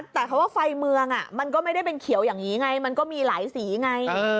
แต่เขาว่าไฟเมืองมันก็ไม่ได้เป็นเขียวอย่างนี้ไงมันก็มีหลายสีไง